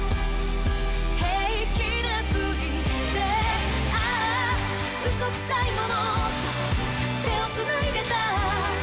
「平気な振りして」「嘘くさいものと手を繋いでた」